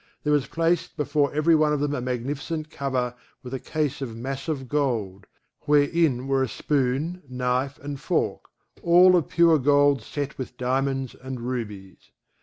There was placed before every one of them a magnificent cover with a case of massive gold, wherein were a spoon, knife and fork, all of pure gold set with diamonds and rubies.